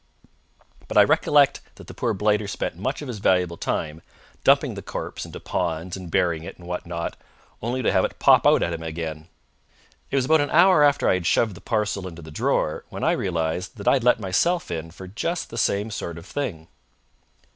_ But I recollect that the poor blighter spent much of his valuable time dumping the corpse into ponds and burying it, and what not, only to have it pop out at him again. It was about an hour after I had shoved the parcel into the drawer when I realised that I had let myself in for just the same sort of thing.